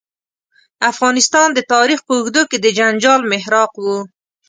افغانستان د تاریخ په اوږدو کې د جنجال محراق و.